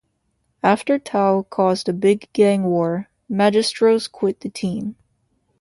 After Tao caused a big gang war, Majestros quit the team.